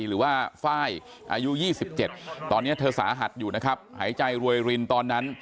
หรือว่าไฟล์อายุ๒๗ตอนนี้เธอสาหัสอยู่นะครับหายใจรวยรินตอนนั้น